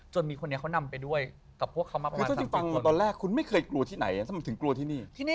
จนมีคนนี้เขานำไปด้วยกับพวกเขามาประมาณ๓๐คน